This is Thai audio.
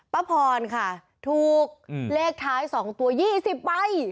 ป้าพรค่ะถูกเลขท้าย๒ตัว๒๐ใบ